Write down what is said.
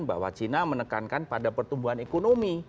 bahwa china menekankan pada pertumbuhan ekonomi